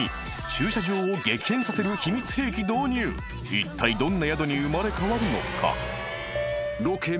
［いったいどんな宿に生まれ変わるのか？］